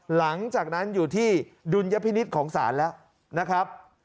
หลังจากนั้นอยู่ที่ดุลยพินิษฐ์ของศาลแล้วนะครับ